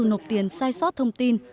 nộp tiền sai sót thông tin